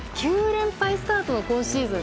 ９連敗スタートの今シーズン